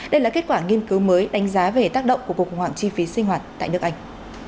đây là kết quả nghiên cứu mới đánh giá về tác động của cuộc khủng hoảng chi phí sinh hoạt tại nước anh